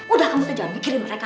udah kamu jangan mikirin mereka